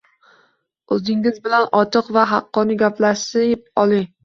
O’zingiz bilan ochiq va haqqoniy gaplashib oling